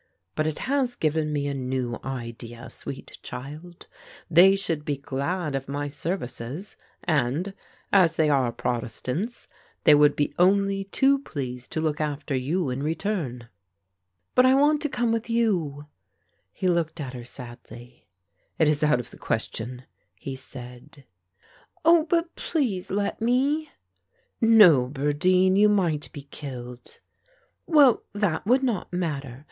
But it has given me a new idea, sweet child. They would be glad of my services; and, as they are protestants, they would be only too pleased to look after you in return." "But I want to come with you." He looked at her sadly; "It is out of the question," he said. "Oh, but please let me." "No, birdeen, you might be killed." "Well, that would not matter.